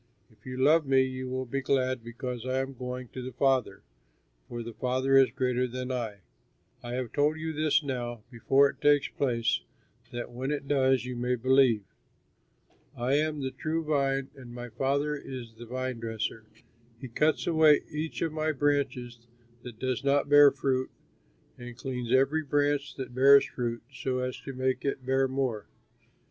If you love me you will be glad because I am going to the Father, for the Father is greater than I. I have told you this now, before it takes place, that when it does you may believe. "I am the true vine and my Father is the vine dresser. He cuts away each of my branches that does not bear fruit, and cleans every branch that bears fruit so as to make it bear more.